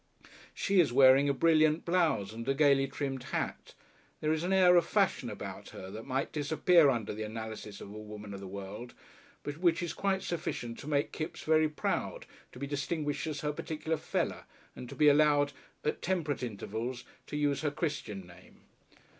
She is wearing a brilliant blouse and a gaily trimmed hat. There is an air of fashion about her that might disappear under the analysis of a woman of the world, but which is quite sufficient to make Kipps very proud to be distinguished as her particular "feller," and to be allowed at temperate intervals to use her Christian name.